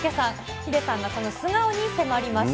ヒデさんがその素顔に迫りました。